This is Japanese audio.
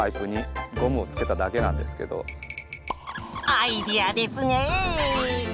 アイデアですね。